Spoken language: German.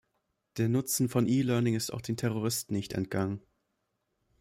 Der Nutzen von E-Learning ist auch den Terroristen nicht entgangen.